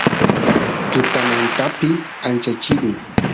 tutamantapi ancha chirin